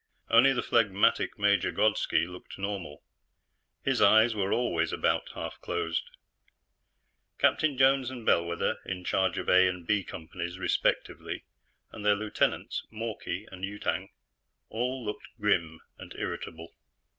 Only the phlegmatic Major Grodski looked normal; his eyes were always about half closed. Captains Jones and Bellwether, in charge of A and B Companies respectively, and their lieutenants, Mawkey and Yutang, all looked grim and irritable.